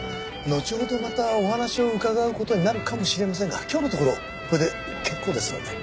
のちほどまたお話を伺う事になるかもしれませんが今日のところはこれで結構ですので。